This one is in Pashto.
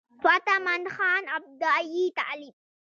فتح مند خان ابتدائي تعليم